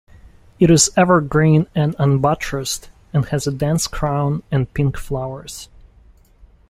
It is evergreen and unbuttressed and has a dense crown and pink flowers.